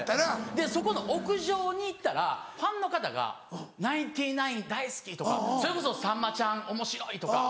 でそこの屋上に行ったらファンの方が「ナインティナイン大好き」とかそれこそ「さんまちゃんおもしろい」とか。